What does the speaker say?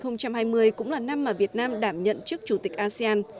năm hai nghìn hai mươi cũng là năm mà việt nam đảm nhận chức chủ tịch asean